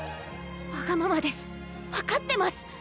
わがままです分かってます！